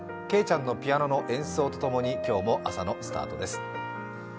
けいちゃんのピアノの演奏と共に今日も朝のスタートです。